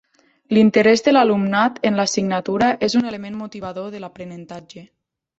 L'interès de l'alumnat en l'assignatura és un element motivador de l'aprenentatge.